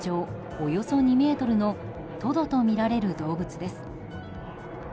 およそ２ｍのトドとみられる動物です。